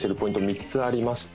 ３つありまして